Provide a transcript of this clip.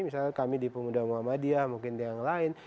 misalnya kami di pemuda muhammadiyah mungkin di yang lain